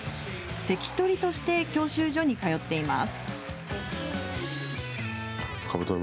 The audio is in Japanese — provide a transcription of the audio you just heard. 関取として教習所に通っています。